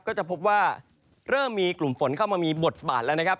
ก็จะพบว่าเริ่มมีกลุ่มฝนเข้ามามีบทบาทแล้วนะครับ